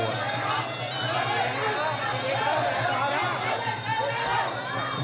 อ้าว